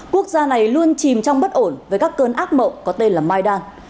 quốc gia này luôn chìm trong bất ổn với các cơn ác mộng có tên là maidan